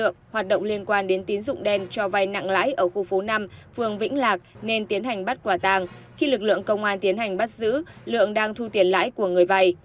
khi lực lượng công an tiến hành bắt giữ lượng đang thu tiền lãi của người vay